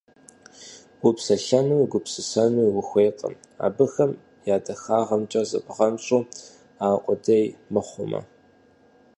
Упсэлъэнуи угупсысэнуи ухуейкъым, абыхэм я дахагъымкӀэ зыбгъэнщӀыну аркъудей мыхъумэ.